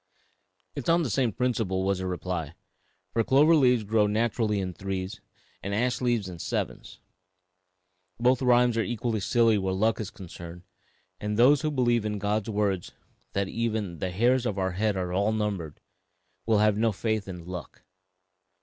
"It is on the same principle," was the reply, "for clover leaves grow naturally in threes and ash leaves in sevens. Both rhymes are equally silly where luck is concerned, and those who believe God's words that even 'the hairs of our head are all numbered' will have no faith in 'luck.'